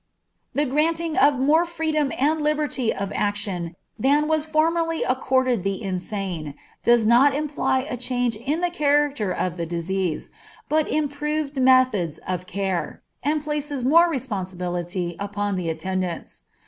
The granting of more freedom and liberty of action than was formerly accorded the insane, does not imply a change in the character of the disease, but improved methods of care, and places more responsibility upon the attendants.